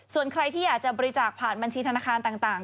ส่วนใครที่อยากจะบริจาคผ่านบัญชีธนาคารต่าง